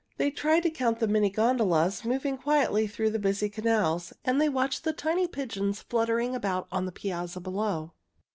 They tried to count the many gondolas moving quietly through the busy canals, and they watched the tiny pigeons fluttering about on the piazza below.